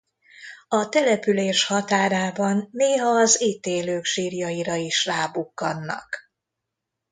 A település határában néha az itt élők sírjaira is rábukkannak.